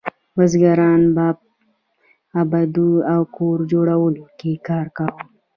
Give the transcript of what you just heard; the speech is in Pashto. بزګرانو په اوبدلو او کور جوړولو کې کار کاوه.